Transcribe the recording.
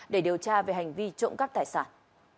để điều tra về hành vi trộm cắp tài sản